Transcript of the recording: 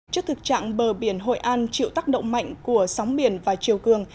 trước thực trạng bờ biển hội an chịu tác động mạnh của sóng biển và chiều cường